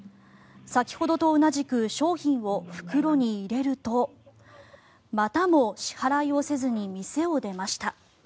先ほどと同じく商品を袋に入れるとまたも支払いをせずに店を出ました。